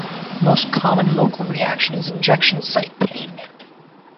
The most common local reaction is injection site pain.